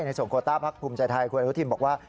ในส่วนโคต้าพักภูมิใจไทยคุณอนุทินบอกว่า